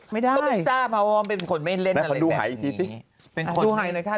ไม่ได้ต้องไม่ทราบพอเป็นคนไม่เล่นอะไรแบบนี้